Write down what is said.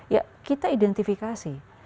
ya kita identifikasi